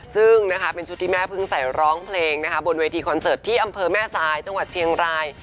ซึ่งนะคะเป็นชุดที่แม่เพิ่งใส่ร้องเพลงนะคะบนเวทีคอนเสิร์ตที่อำเภอแม่ทรายจังหวัดเชียงราย